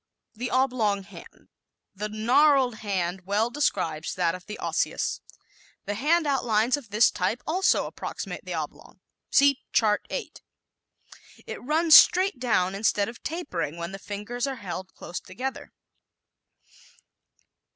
The Oblong Hand ¶ "The gnarled hand" well describes that of the Osseous. The hand outlines of this type also approximate the oblong. (See Chart 8) It runs straight down instead of tapering when the fingers are held close together.